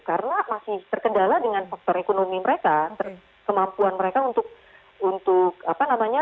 karena masih terkendala dengan faktor ekonomi mereka kemampuan mereka untuk mencari uang gitu ya